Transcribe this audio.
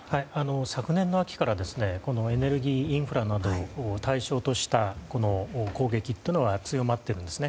昨年の秋からエネルギーインフラなどを対象とした攻撃というのが強まっているんです。